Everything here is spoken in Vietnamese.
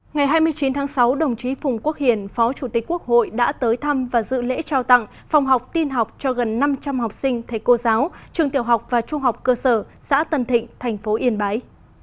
ngày hai mươi chín tháng sáu đồng chí phùng quốc hiền phó chủ tịch quốc hội đã tới thăm và dự lễ trao tặng phòng học tin học cho gần năm trăm linh học sinh thầy cô giáo trường tiểu học và trung học cơ sở xã tân thịnh thành phố yên bái